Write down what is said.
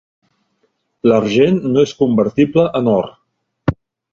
L'argent no és convertible en or.